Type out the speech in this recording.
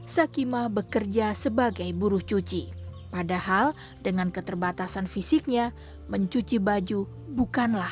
sakimah bekerja sebagai buruh cuci padahal dengan keterbatasan fisiknya mencuci baju bukanlah